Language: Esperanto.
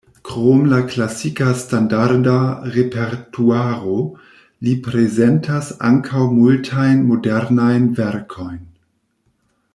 Krom la klasika standarda repertuaro, li prezentas ankaŭ multajn modernajn verkojn.